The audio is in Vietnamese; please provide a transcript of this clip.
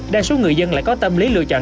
đa số người dân lại có tâm lý lựa chọn